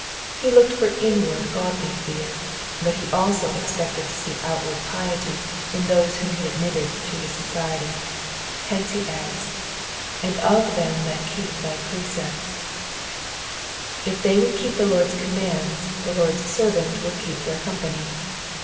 He looked for inward godly fear, but he also expected to see outward piety in those whom he admitted to his society ; hence he adds, and of them that keep thy jyrecepts,^^ If they would keep the Lord's commands the Lord's servant would keep their company.